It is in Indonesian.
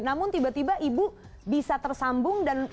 namun tiba tiba ibu bisa tersambung